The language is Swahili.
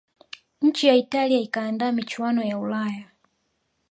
nchi ya italia ikaandaa michuano ya ulaya